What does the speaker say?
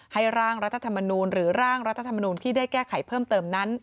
ร่างรัฐธรรมนูลหรือร่างรัฐธรรมนูลที่ได้แก้ไขเพิ่มเติมนั้น